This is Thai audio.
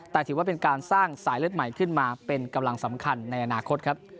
แต่ถือว่าเป็นการสร้างสายเลือดใหม่ขึ้นมาเป็นกำลังสำคัญในอนาคตครับ